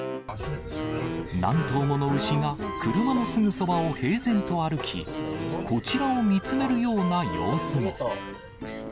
何頭もの牛が車のすぐそばを平然と歩き、こちらを見つめるような様子も。